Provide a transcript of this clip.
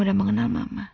dan berjumpa dengan bapak